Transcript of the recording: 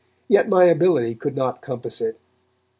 yet my ability could not compass it."